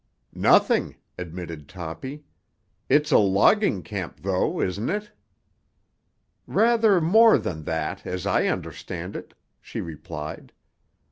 "Nothing," admitted Toppy. "It's a logging camp, though, isn't it?" "Rather more than that, as I understand it," she replied.